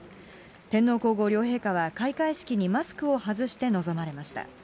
天皇皇后両陛下は、開会式にマスクを外して臨まれました。